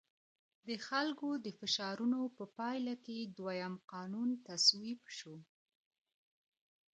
د خلکو د فشارونو په پایله کې دویم قانون تصویب شو.